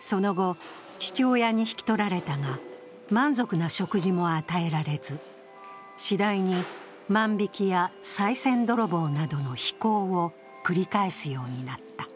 その後、父親に引き取られたが、満足な食事も与えられず、次第に万引きやさい銭泥棒などの非行を繰り返すようになった。